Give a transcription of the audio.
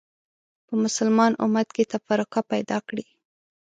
په مسلمان امت کې تفرقه پیدا کړې